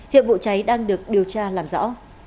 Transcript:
hiệp vụ cháy đang được điều tra làm rõ